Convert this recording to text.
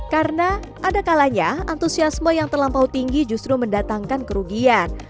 karena ada kalanya antusiasme yang terlampau tinggi justru mendatangkan kerugian